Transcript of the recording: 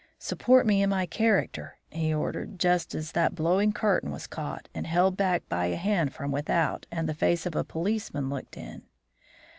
"'Support me in my character!' he ordered, just as that blowing curtain was caught and held back by a hand from without and the face of a policeman looked in.